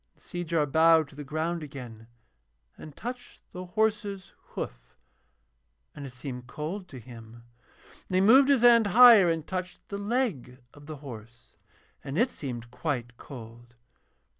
And Seejar bowed to the ground again and touched the horse's hoof, and it seemed cold to him. And he moved his hand higher and touched the leg of the horse, and it seemed quite cold.